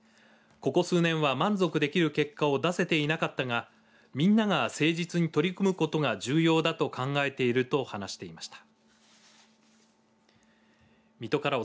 ここ数年は満足できる結果を出せていなかったがみんなが誠実に取り組むことが重要だと考えていると話していました。